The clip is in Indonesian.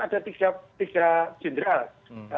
ada tiga jenderal